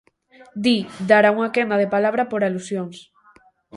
Di, dará unha quenda de palabra por alusións.